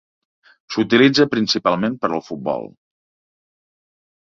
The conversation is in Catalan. S'utilitza principalment per al futbol.